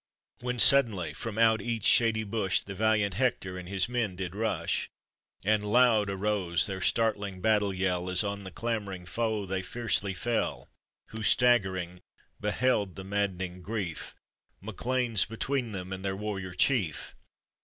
When suddenly from out each shady bush The valiant Hector and his men did rush, And loud arose their startling battle yell, As on the clambering foe they fiercely fell, Who staggering, beheld the maddening grief, MacLeans between them and their warrior chief.